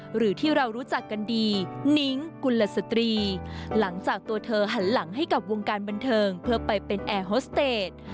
หรือที่เรารู้จักกันดีนิ้งกุลสตรีหลังจากตัวเธอหันหลังให้กับวงการบันเทิงเพื่อไปเป็นแอร์โฮสเตจ